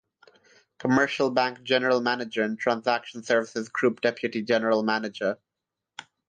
Commercial Bank General manager and Transaction Services Group Deputy General Manager.